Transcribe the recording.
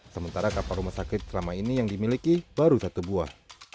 sementara kapal rumah sakit selama ini yang dimiliki baru satu buah